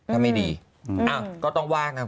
ถ้าไม่ดีก็ต้องว่ากัน